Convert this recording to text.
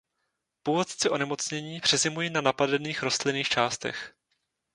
Původci onemocnění přezimují na napadených rostlinných částech.